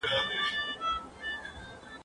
سینه سپينه کړه!؟